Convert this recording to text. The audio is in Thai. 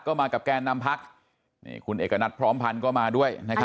ก็มากับแกนนำพักนี่คุณเอกณัฐพร้อมพันธ์ก็มาด้วยนะครับ